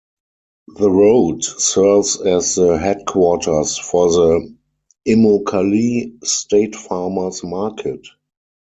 The road serves as the headquarters for the Immokalee State Farmer's Market.